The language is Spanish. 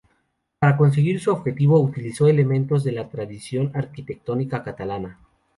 Para conseguir su objetivo utilizó elementos de la tradición arquitectónica catalana.